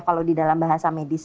kalau di dalam bahasa medis